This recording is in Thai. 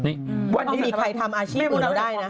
ไม่มีใครทำอาชีพอื่นเราได้นะ